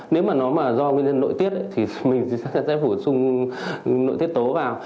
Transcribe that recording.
nếu mà nó mà do nguyên nhân nội tiết thì mình sẽ bổ sung nội tiết tố vào